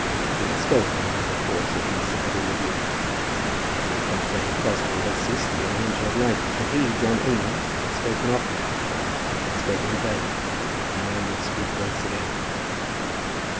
He had spoken, and of course had been simply rebuked. Since that day Crosbie had ceased to be an angel of light, and he, John Eames, had spoken often. But he had spoken in vain, and now he would speak once again.